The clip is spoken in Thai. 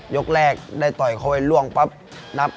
ยกแรกได้ต่อยเข้าไปล่วงปั๊บนับ